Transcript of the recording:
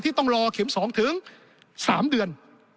ต้องรอเข็ม๒ถึง๓เดือน